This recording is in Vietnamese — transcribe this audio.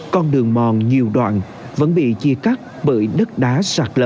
con đường mòn nhiều đoạn vẫn bị chia cắt bởi đất đá sạc lỡ